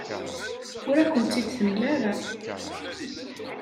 Ur akent-tt-id-temla ara.